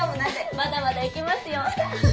まだまだ行けますよ！